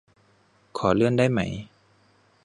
ขอเลื่อนได้ไหม